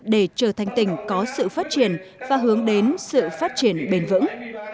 để trở thành tỉnh có sự phát triển và hướng đến sự phát triển bền vững